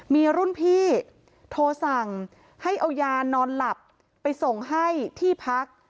มีรุ่นพี่โทรสั่งให้เอายานอนหลับไปส่งให้ที่พัก